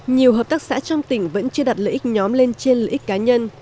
nhiều hợp tác xã trong tỉnh vẫn chưa đặt lợi ích nhóm lên trên lợi ích cá nhân